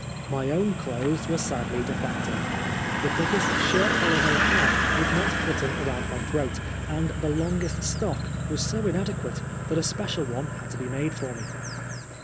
My own clothes were sadly defective. The biggest shirt collar they had would not button round my throat, and the longest stock was so inadequate that a special one had to be made forme.